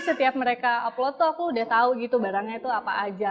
jadi setiap mereka upload tuh aku udah tau gitu barangnya tuh apa aja